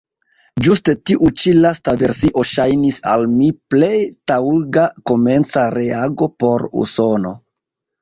Ĝuste tiu ĉi lasta versio ŝajnis al mi plej taŭga komenca reago por Usono.